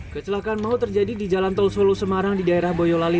kecelakaan mau terjadi di jalan tol solo semarang di daerah boyolali